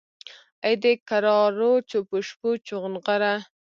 ای دکرارو چوپو شپو چونغره!